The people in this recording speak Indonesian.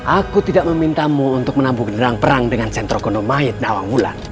aku tidak memintamu untuk menabuh genderang perang dengan setro gundumai nawang bulan